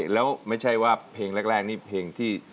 แล้วไม่ใช่ว่าเพลงแรกนี่เพลงที่